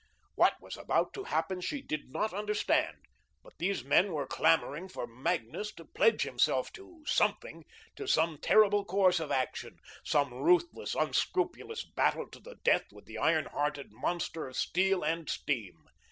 What was about to happen she did not understand, but these men were clamouring for Magnus to pledge himself to something, to some terrible course of action, some ruthless, unscrupulous battle to the death with the iron hearted monster of steel and steam.